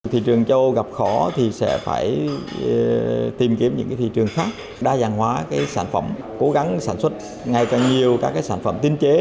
thị trường châu gặp khó thì sẽ phải tìm kiếm những thị trường khác đa dạng hóa sản phẩm cố gắng sản xuất ngay càng nhiều các sản phẩm tinh chế